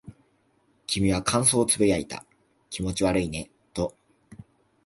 君は感想を呟いた。気持ち悪いねと。